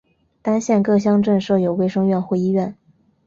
单县各乡镇设有卫生院或医院。